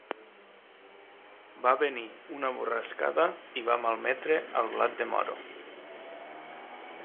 Va venir una borrascada i va malmetre el blat de moro.